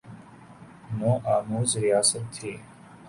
نو آموز ریاست تھی۔